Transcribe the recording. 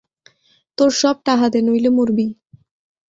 তোর সব টাহা দে নইলে মরবি!